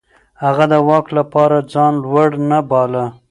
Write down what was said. هغه د واک لپاره ځان لوړ نه باله.